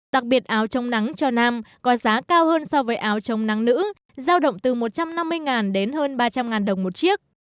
đặc biệt áo trong nắng cho nam có giá cao hơn so với áo chống nắng nữ giao động từ một trăm năm mươi đến hơn ba trăm linh đồng một chiếc